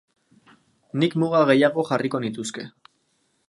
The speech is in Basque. Nik muga gehiago jarriko nituzke.